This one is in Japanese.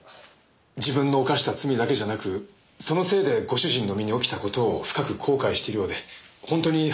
自分の犯した罪だけじゃなくそのせいでご主人の身に起きた事を深く後悔しているようで本当に反省しているんです。